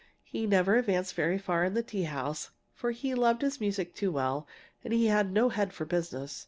He never advanced very far in the tea house, for he loved his music too well and he had no head for business.